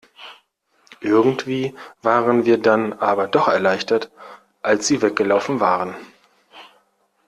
Irgendwie waren wir dann aber doch erleichtert, als sie weggelaufen waren.